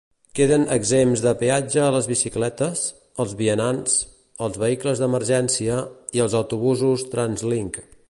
Queden exempts de peatge les bicicletes, els vianants, els vehicles d'emergència i els autobusos TransLink.